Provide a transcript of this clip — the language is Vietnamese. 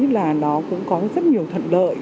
là nó cũng có rất nhiều thận lợi